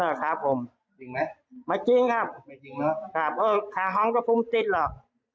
นี่จริงไหมน่ะครับผมจริงไหมไม่จริงครับไม่จริงเนอะครับเออค่าห้องก็ภูมิติหรอก